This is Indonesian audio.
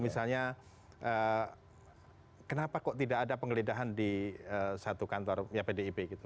misalnya kenapa kok tidak ada penggeledahan di satu kantor ya pdip gitu